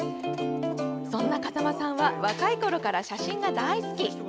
そんな風間さんは若いころから写真が大好き。